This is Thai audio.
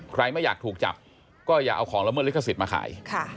ไม่อยากถูกจับก็อย่าเอาของละเมิดลิขสิทธิ์มาขาย